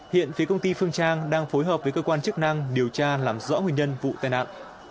hiện phía công ty phương trang đang phối hợp với cơ quan chức năng điều tra làm rõ nguyên nhân vụ tai nạn